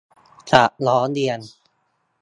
จะร้องเรียน